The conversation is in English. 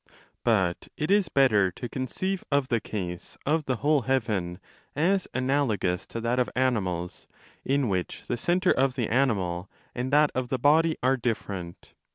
But it is better to conceive of the case of the whole heaven as analogous to that of animals, in which the centre of the animal and that of the body are different.